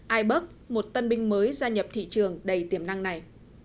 ai bớt một tân binh mới gia nhập thị trường đầy tiềm năng này